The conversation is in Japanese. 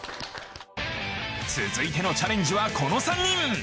続いてのチャレンジはこの３人。